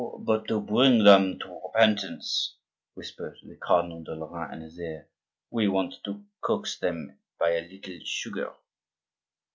"No, but to bring them to repentance," whispered the Cardinal de Lorraine in his ear; "we want to coax them by a little sugar."